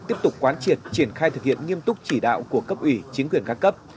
tiếp tục quán triệt triển khai thực hiện nghiêm túc chỉ đạo của cấp ủy chính quyền các cấp